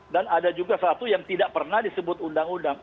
dan ada juga satu yang tidak pernah disebut undang undang